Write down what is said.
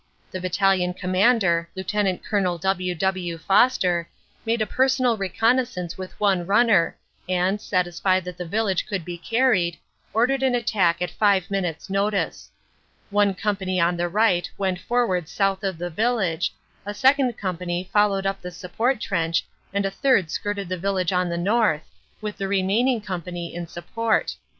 The Battalion Com mander, Lt. Col. W. W. Foster, made a personal reconnaisancc with one runner, and, satisfied that the village could be carried, ordered an attack at five minutes notice. One company on the right went forward south of the village, a second company followed up the support trench and a third skirted the village on the north, with the remaining company in support.